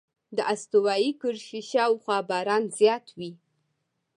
د استوایي کرښې شاوخوا باران زیات وي.